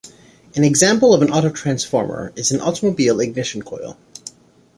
An example of an autotransformer is an automobile ignition coil.